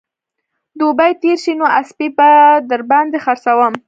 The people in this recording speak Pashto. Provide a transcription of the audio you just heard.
دوبى تېر شي نو اسپې به در باندې خرڅوم